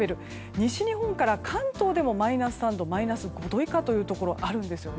西日本から関東でもマイナス３度マイナス５度以下というところがあるんですね。